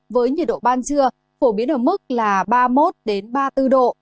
với nhiệt độ ban trưa phổ biến ở mức là ba mươi một ba mươi bốn độ